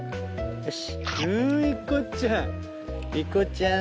よし！